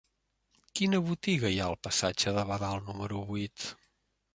Quina botiga hi ha al passatge de Badal número vuit?